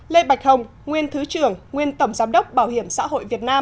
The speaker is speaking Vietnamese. lê bạch hồng nguyên thứ trưởng nguyên tổng giám đốc bảo hiểm xã hội việt nam